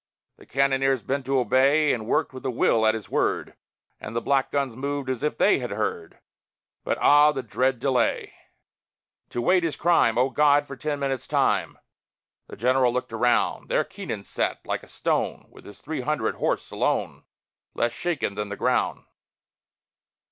The cannoneers bent to obey, And worked with a will at his word, And the black guns moved as if they had heard. But, ah, the dread delay! "To wait is crime; O God, for ten minutes' time!" The general looked around. There Keenan sat, like a stone, With his three hundred horse alone, Less shaken than the ground.